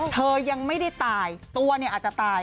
เธอยังไม่ได้ตายตัวเนี่ยอาจจะตาย